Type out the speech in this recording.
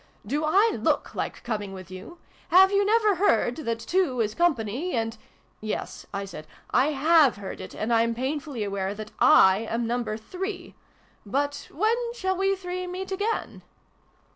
" Do I look like coming with you ? Have you never heard that two is company, and " 'Yes," I said, " I have heard it: and I'm painfully aware that / am Number Three ! But, when shall we three meet again